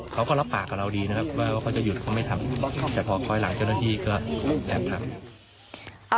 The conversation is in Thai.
เขาก็รับปากกับเราดีนะครับว่าเขาจะหยุดเขาไม่ทำแต่พอคอยหลังเจ้าหน้าที่ก็แอบทำ